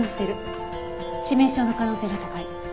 致命傷の可能性が高い。